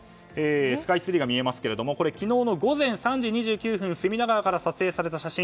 スカイツリーが見えますが昨日の午前３時２９分隅田川から撮影された写真。